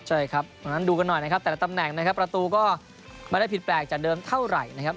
ใช่ครับตรงนั้นดูกันหน่อยนะครับแต่ละตำแหน่งนะครับประตูก็ไม่ได้ผิดแปลกจากเดิมเท่าไหร่นะครับ